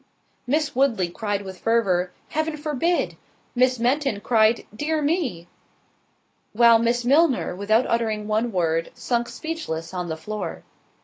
Miss Woodley cried with fervour, "Heaven forbid!" Miss Fenton cried, "dear me!" While Miss Milner, without uttering one word, sunk speechless on the floor.